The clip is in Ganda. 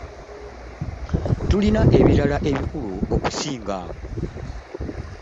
Tulina ebirala ebikulu okusinga awo.